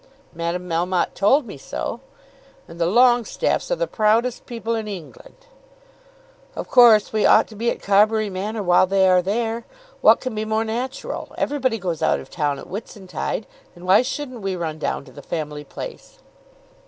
"Madame Melmotte told me so." "And the Longestaffes are the proudest people in England." "Of course we ought to be at Carbury Manor while they are there. What can be more natural? Everybody goes out of town at Whitsuntide; and why shouldn't we run down to the family place?"